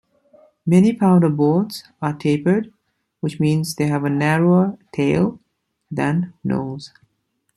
Many powder boards are tapered, which means they have a narrower tail than nose.